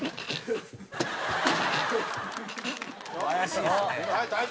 「怪しいですね」